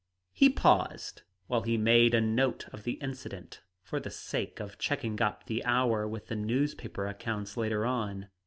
He paused while he made a note of the incident, for the sake of checking up the hour with the newspaper accounts later on.